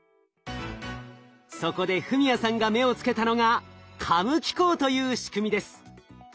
そこで史哉さんが目をつけたのがカム機構という仕組みです。